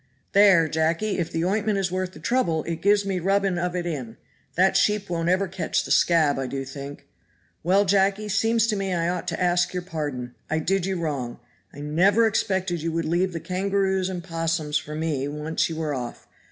"There, Jacky, if the ointment is worth the trouble it gives me rubbing of it in, that sheep won't ever catch the scab, I do think. Well, Jacky, seems to me I ought to ask your pardon I did you wrong. I never expected you would leave the kangaroos and opossums for me once you were off.